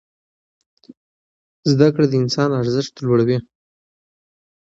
زده کړه د انسان ارزښت لوړوي.